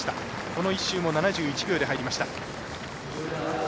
この１周も７１秒で入りました。